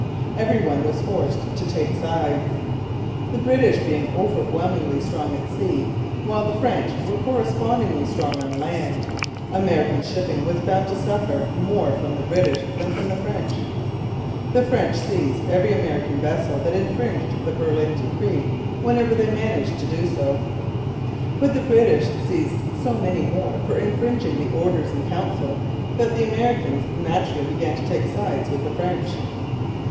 Every one was forced to take sides. The British being overwhelmingly strong at sea, while the French were correspondingly strong on land, American shipping was bound to suffer more from the British than from the French. The French seized every American vessel that infringed the Berlin Decree whenever they could manage to do so. But the British seized so many more for infringing the Orders in Council that the Americans naturally began to take sides with the French.